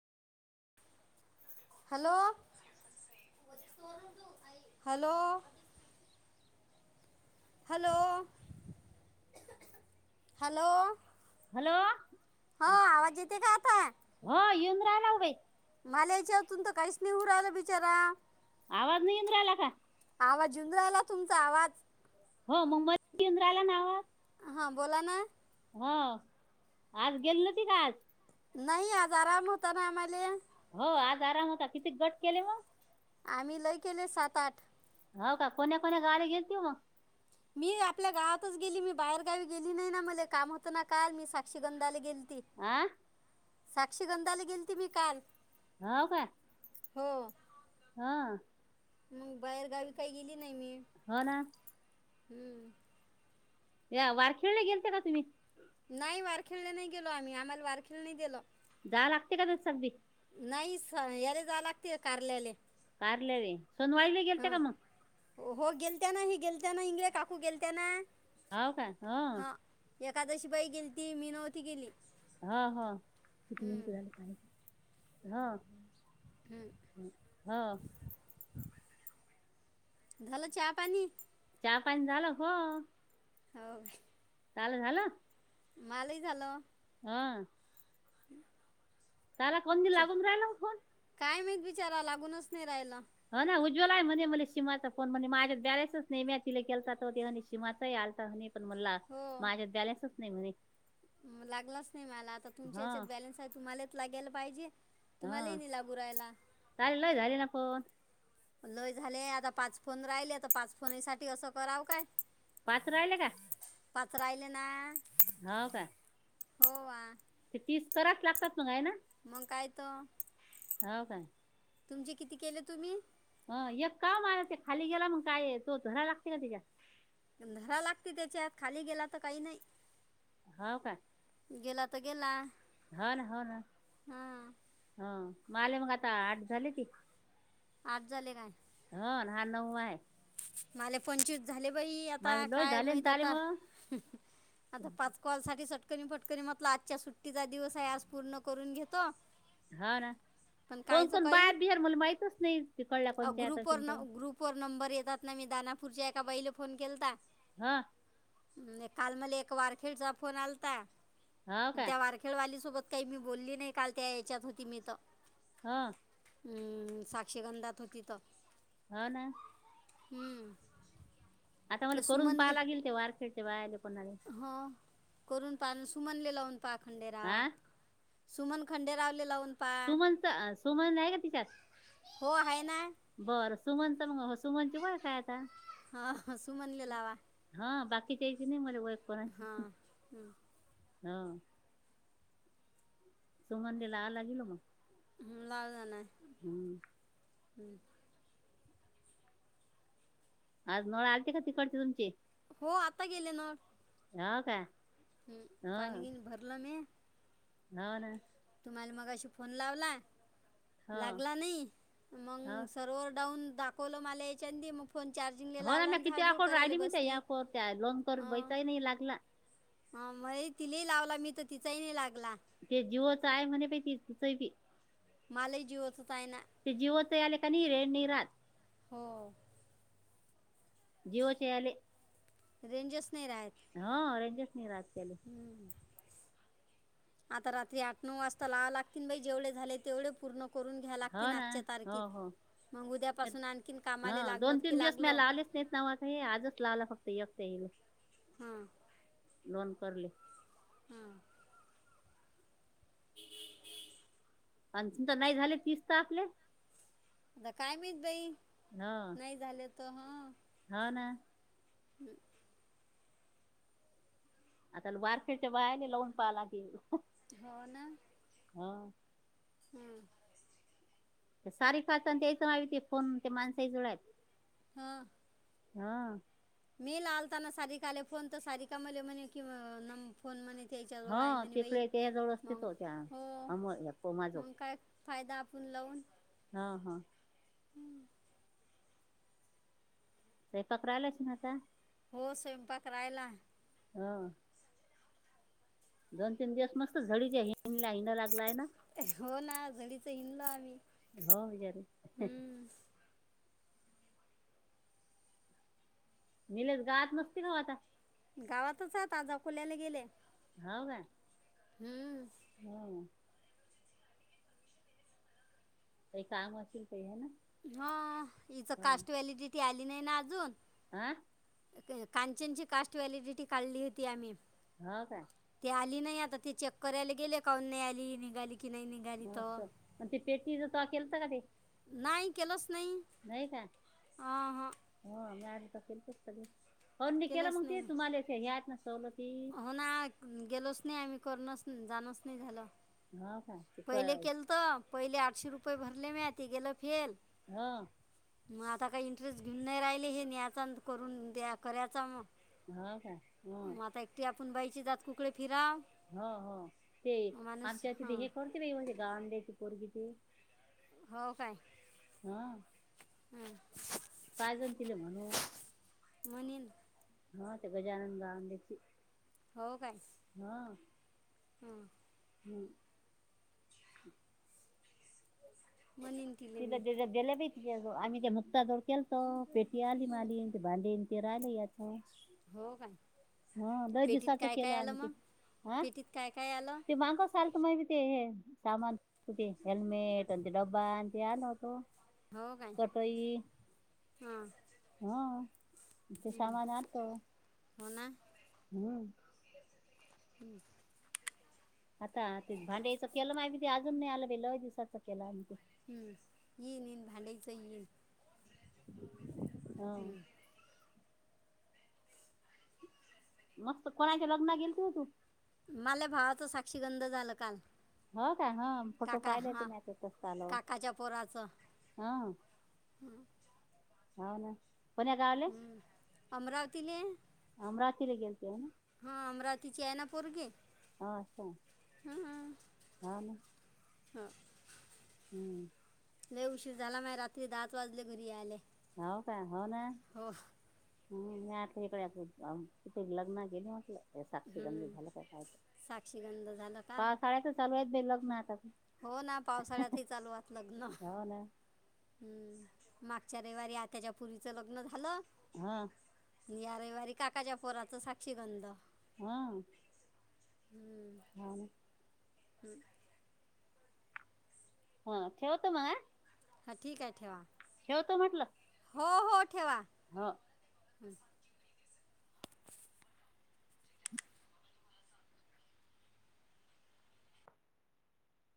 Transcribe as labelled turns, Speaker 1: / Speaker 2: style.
Speaker 1: Hello hello. Hello hello.
Speaker 2: Hello
Speaker 1: येते का आता
Speaker 2: हो येऊन राहायला उभे
Speaker 1: मला ह्याच्या तून त काहीच नाही होऊन राहिला बिचारा.
Speaker 2: आवाज नही येऊन राहिला का?
Speaker 1: आवाज येऊन राहिला तुमचा आवाज.
Speaker 2: हो मुंबईहुन येऊन राहिला ना ओ.
Speaker 1: हां बोला ना.
Speaker 2: हा, आज गेली नव्हती का आज?
Speaker 1: नाही आज आराम होता ना आम्हाले.
Speaker 2: हो आज आराम होता, किती गट केले मग?
Speaker 1: आम्ही लय केले सात आठ.
Speaker 2: हो का, कोण्या कोण्या गावी गेलती मग?
Speaker 1: मी आपल्या गावातच गेली, मी बाहेरगावी गेली नाही ना, मला काम होतं ना काल मी साक्षीगंधाला गेली ती
Speaker 2: आं?
Speaker 1: साक्षीगंधाला गेलते मी काल.
Speaker 2: हो का?
Speaker 1: हो.
Speaker 2: हा.
Speaker 1: मग बाहेरगावी काही गेली नाही मी
Speaker 2: हो ना.
Speaker 1: हम्म
Speaker 2: या वारखेळला गेलते का तुम्ही?
Speaker 1: नाही वारखेळला नाही गेलो, आम्ही आम्हाला वारखेळ नाही गेलो.
Speaker 2: जा लागते का ते सगळी?
Speaker 1: नाही, स याला जा लागते कारल्याले.
Speaker 2: कारले रे, सोन वाळले गेलते
Speaker 1: हां
Speaker 2: का मग?
Speaker 1: हो गेलते ना, ही गेलते ना इंगळे काकू गेलत्या ना.
Speaker 2: हावं का? हो
Speaker 1: हां एकादशी बाई गेलती, मी नव्हती गेली.
Speaker 2: हा हा, किती मिनटं
Speaker 1: हं,
Speaker 2: झाले पहाय,
Speaker 1: हं.
Speaker 2: हो हो
Speaker 1: झालं चहा पाणी?
Speaker 2: चहा पाणी झालं हो.
Speaker 1: हो.
Speaker 2: चालं झालं?
Speaker 1: मालिकाला.
Speaker 2: हा.
Speaker 1: ह [inaudible]
Speaker 2: त्याला कोण दि लागून राहिला मग फोन.
Speaker 1: विचारा लागूनच नाही राहायला.
Speaker 2: ह ना उज्ज्वलाय म्हणे मला शिमाचा फोन म्हणे माझ्यात ब्यालायच नाही म तिला केल शिमाचा. पण मला
Speaker 1: हो
Speaker 2: माझ्या दलासच नाही म्हणे.
Speaker 1: लागलाच नाही मला, आता तुमच्या
Speaker 2: हा
Speaker 1: याच्यात बॅलन्स आहे तुम्हालाच लागायला पाहिजे. तुम्हालाही
Speaker 2: हा
Speaker 1: नाय लागू राहिला.
Speaker 2: चालेल लय झाले ना फोन
Speaker 1: लय झाले, आता पाच फोन राहिले तर पाच फोन साठी असं करावं काय?
Speaker 2: पाच राहिले का?
Speaker 1: पाच राहिलं ना.
Speaker 2: हो का?
Speaker 1: हो वा
Speaker 2: ते तीस कराच लागतात म हाय ना?
Speaker 1: मग काय तर.
Speaker 2: हो काय?
Speaker 1: तुमचे किती केले तुम्ही?
Speaker 2: अ एक का मला ते खाली गेला मग काय, तो धरायला लागते का त्याच्यात?
Speaker 1: धरा लागते त्याच्यात, खाली गेला तर काही नाही.
Speaker 2: होव का?
Speaker 1: गेला तर गेला.
Speaker 2: हा ना हो ना
Speaker 1: हां
Speaker 2: ह माले मग आता आठ झाले ती.
Speaker 1: आज झाले काय.
Speaker 2: होण हा नऊ आहे.
Speaker 1: मले पचत. झाले बाई
Speaker 2: मागे
Speaker 1: आता
Speaker 2: लय
Speaker 1: काय
Speaker 2: झाले ना
Speaker 1: माहित
Speaker 2: ताले
Speaker 1: आता
Speaker 2: मग
Speaker 1: आता पाच कॉल सा. टकनी फटकनी म्हटलं आजच्या सुट्टीचा दिवस आहे आज पूर्ण करून घेतो.
Speaker 2: हा ना.
Speaker 1: पण
Speaker 2: कोण
Speaker 1: कायचं
Speaker 2: कोण
Speaker 1: काही
Speaker 2: बाहेर बिहार मला माहितच नाही तिकडला
Speaker 1: अ,
Speaker 2: कोणच्या आता
Speaker 1: ग्रुपवर
Speaker 2: ति
Speaker 1: न ग्रुपवर नंबर येतात ना मी दानापूरच्या एका बहिला फोन केलता
Speaker 2: हा.
Speaker 1: काल मला एक वारखेडचा फोन आलाता
Speaker 2: हो का
Speaker 1: त्या वारखेडवालीसोबत. काही मी बोलली नाही काल त्या याच्यात होती मी तर.
Speaker 2: हा
Speaker 1: अम् साक्षीगंधात होती तर.
Speaker 2: हा ना.
Speaker 1: हम्म
Speaker 2: आता मला
Speaker 1: ते
Speaker 2: करून
Speaker 1: सुमनले
Speaker 2: पाहायला गेल ते वारखेडचे बाले पण.
Speaker 1: हो करून पा सुमनले लावून पाखंडेराव.
Speaker 2: हा
Speaker 1: सुमन खंडे रावले लावून. पा
Speaker 2: सुमनच सुमन आहे का तिच्यात.
Speaker 1: हो हाये.
Speaker 2: बरं सुमन तर म हो सुमन ची ओळख हाय आता.
Speaker 1: हा हा सुमनले आवा.
Speaker 2: तिच्याशी नाही मले ओळख [unintelligible] हा समनले लावा ले गेलो म.
Speaker 1: [unintelligible]
Speaker 2: हम्म
Speaker 1: [unintelligible]
Speaker 2: आज नळ आलते का तिकडचे तुमचे.
Speaker 1: हो आता गेले नळ.
Speaker 2: हा काय.
Speaker 1: हम् पाणी बीनी भरलने.
Speaker 2: ह ना
Speaker 1: तुम्हाला मगाशी फोन लावला
Speaker 2: हो
Speaker 1: लागला नाही
Speaker 2: हो
Speaker 1: मंग सर्वर डाऊन दाखवलं मला याच्यांदी मग फोन चार्जिंगला
Speaker 2: हो ना
Speaker 1: लावला
Speaker 2: मी
Speaker 1: आणि
Speaker 2: किती वेळा
Speaker 1: झाडझूड
Speaker 2: करू
Speaker 1: करायला
Speaker 2: राहिली मी त्या या
Speaker 1: बसली
Speaker 2: कोन त्या लोंनकर बैचाही नाही लागला.
Speaker 1: हा मइ तिलेही लावला मी तर तिचाही नाही लाग
Speaker 2: ते जिओच आहे म्हणे बई तिच बी.
Speaker 1: मालेही जिओचच आहे ना.
Speaker 2: ते जिओच याले क नइ रेंज नाही राहात.
Speaker 1: हो.
Speaker 2: जिओचे याले.
Speaker 1: रेंजच नाही राहत
Speaker 2: रेंजच नाही राहत त्याले
Speaker 1: हम. आता रात्री आठ नऊ वाजता लावा लागतील बाई जेवढे झाले तेवढे पूर्ण करून घ्या
Speaker 2: [inaudible] हो
Speaker 1: लागतीन
Speaker 2: ना
Speaker 1: आजच्या
Speaker 2: हो
Speaker 1: तारखेत
Speaker 2: हो.
Speaker 1: मग उद्यापासून आणखीन
Speaker 2: हा
Speaker 1: कामाला लागलो
Speaker 2: दोन तीन
Speaker 1: की
Speaker 2: दिवस म्या
Speaker 1: लागलो
Speaker 2: लावलेच नाहीत ना हो आता हे आजच लावला फक्त एक
Speaker 1: हां
Speaker 2: [inaudible] लोन करले.
Speaker 1: हम्म [unintelligible]
Speaker 2: अंशी तर नाही झाले तिस त आपले.
Speaker 1: आता काय नाहीत बाई
Speaker 2: हो
Speaker 1: नाही झाले त हा.
Speaker 2: हो ना
Speaker 1: [unintelligible]
Speaker 2: आता वारक्याच्या बायाले लावून पाहा लागेल.
Speaker 1: हो ना.
Speaker 2: हो
Speaker 1: हम्म.
Speaker 2: ते सारिका चा आणि त्याचा आईचा फोन ते माणसाही जवळ आहेत.
Speaker 1: हा
Speaker 2: हा
Speaker 1: मी लालता ना सारिकाले फोन तर सारिका म्हणली म्हणे की अ फोन म्हने त्याच्या
Speaker 2: हो
Speaker 1: जवळ आहे म्हणे बाई
Speaker 2: तिकडे त्याजवळ असते
Speaker 1: मग
Speaker 2: तो त्या
Speaker 1: हो
Speaker 2: अमोल या पोमाजवळ
Speaker 1: मग काय फायदा आपण लाऊन.
Speaker 2: हा हा. स्वयपाक रायलाच ना आता.
Speaker 1: हो स्वयंपाक रायला.
Speaker 2: ह. दोन तीन दिवस मस्त
Speaker 1: हो ना घडीचं हिंडलो आम्ही
Speaker 2: [unintelligible] [unintelligible]
Speaker 1: हम्म
Speaker 2: निलेस गावात नसतील हो आता.
Speaker 1: गावातच आहेाजा खोल्याला गेले [inaudible]
Speaker 2: हो का [inaudible]
Speaker 1: [inaudible] हम्म
Speaker 2: [inaudible] होम [inaudible] काही काम असेल काही ह ना
Speaker 1: [inaudible] हा हिच कास्ट व्हॅलिडिटी आली नाही ना अजून
Speaker 2: आह [inaudible]
Speaker 1: [inaudible] कांचनची कास्ट व्हॅलिडिटी काढली होती आम्ही
Speaker 2: [inaudible] हा काय
Speaker 1: [inaudible] आली नाही आता ती चेक करायला गेले का नाही आली निघाली की नाही निघाली
Speaker 2: अस
Speaker 1: तर
Speaker 2: म्ह ते पेटी ज त केलता का तेे,
Speaker 1: नाही केला,
Speaker 2: नाही [inaudible] का हो मी आड केेलतच त ते, [inaudible] अी केला
Speaker 1: केलंच
Speaker 2: मग
Speaker 1: नाही
Speaker 2: ते
Speaker 1: मी.
Speaker 2: तुम्हाला हे आहेत ना सवलती,
Speaker 1: करण जाण नाही झालं,
Speaker 2: हो का ते
Speaker 1: [inaudible]
Speaker 2: क
Speaker 1: पहिले केल तर पहिले आठश रुप [unintelligible] भरले म आती गलं फेल,
Speaker 2: हा [inaudible]
Speaker 1: मग आता काही इंटरेस्ट घेऊन नाही राहिले हे न्यायचा करून द्या करायचा मग
Speaker 2: हो काय ह [inaudible]
Speaker 1: [inaudible] ात कुकडे फिराव
Speaker 2: हो हो [inaudible] ते
Speaker 1: माणूस
Speaker 2: आमच्या
Speaker 1: हां
Speaker 2: तिथ हे करते बाते ग अंड्याची पोरगी ते
Speaker 1: हो काय [inaudible]
Speaker 2: हा [inaudible]
Speaker 1: [inaudible] हम्म
Speaker 2: कायजण तले म्हणू [inaudible]
Speaker 1: म्हणल [inaudible]
Speaker 2: हा ते गजानन ग्याची [inaudible]
Speaker 1: हो काय हम [inaudible]
Speaker 2: हम [inaudible]
Speaker 1: बनिम तलेमी [inaudible]
Speaker 2: दिल्या दिल्या बाई आम्ही काय मुक्ता जोड केल तर पेटी आली
Speaker 1: हो
Speaker 2: माली ते भले ते राहिले याच [inaudible]
Speaker 1: [inaudible] हो काय
Speaker 2: हा द
Speaker 1: पेटीत
Speaker 2: दिवसाच
Speaker 1: काय
Speaker 2: केलं
Speaker 1: काय आलं
Speaker 2: आम्ही ते
Speaker 1: मग
Speaker 2: हं,
Speaker 1: पेटीत काय काय आलं
Speaker 2: ते माांग सल, मा ते सामान हेल्मेट आणि, ते डब्बा आणि ते आल होतो.
Speaker 1: हो काय
Speaker 2: [inaudible] चटई
Speaker 1: हां
Speaker 2: [inaudible] हा, ते
Speaker 1: हं,
Speaker 2: सामान अलत, [inaudible]
Speaker 1: हो ना
Speaker 2: हम्म [inaudible]
Speaker 1: हम्म [inaudible]
Speaker 2: [inaudible] आता ते भांड्याचं केलं माहि ते, अजून नाही आलं बेल दिवसाच केलं आणि ते,
Speaker 1: हम्म येईनईन भांडच येईन, [inaudible]
Speaker 2: हा [inaudible]
Speaker 1: हं.
Speaker 2: [inaudible] मस्त कोणाच्या लग्न केेल त तू,
Speaker 1: माला भावाच साक्षीगंध झालं काल [inaudible]
Speaker 2: हो का ह फोटो
Speaker 1: काका
Speaker 2: पाहिले ते,
Speaker 1: हां
Speaker 2: नाही ते तस [inaudible] ल
Speaker 1: काकाच्या
Speaker 2: हा,
Speaker 1: हम्म [inaudible]
Speaker 2: हो ना कोण गावले
Speaker 1: अमरावतीले
Speaker 2: अमरावतीला गेलते ना,
Speaker 1: हा अमरावतीची आहे ना पोरगी,
Speaker 2: हा असछा
Speaker 1: हम्म.
Speaker 2: आ ना, [inaudible]
Speaker 1: हो [inaudible]
Speaker 2: हम्म [inaudible]
Speaker 1: उशीर झाला माग रात्री दहाच वाजले घरी आले,
Speaker 2: हो का, हो ना
Speaker 1: हो
Speaker 2: हम् म आलं इकडे कि लग्न केली म्हटलं, साक्षी गंधी
Speaker 1: हम्म.
Speaker 2: झालं काय
Speaker 1: साक्षीगंध झालं काल
Speaker 2: पा साळ्याच चालू आहेत बे लग्न आता.
Speaker 1: हो ना पावसाळ्यातही चालू आात लग्न,
Speaker 2: हो ना
Speaker 1: हम्म मागच्या रविवारी, आताच्या पुरीचं लग्न झालं.
Speaker 2: हा,
Speaker 1: आणि यारविवारी काकाच्या पोराच साक्षीगंध,
Speaker 2: हा, हा
Speaker 1: हम्
Speaker 2: हा ठेवत म
Speaker 1: हा ठीक आहे ठेवा
Speaker 2: ठेवत म्हटलं
Speaker 1: हो हो ठेवा
Speaker 2: हो